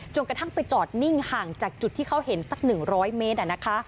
จนกระทั่งไปจอดนิ่งห่างจากจุดที่เขาเห็นสักหนึ่งร้อยเมตร